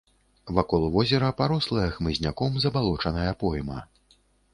Вакол возера парослая хмызняком забалочаная пойма.